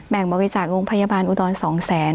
บริจาคโรงพยาบาลอุดร๒แสน